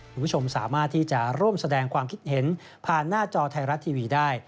คุณผู้ชมสามารถที่จะร่วมแสดงความคิดเห็นผ่านหน้าจอไทยรัฐทีวีได้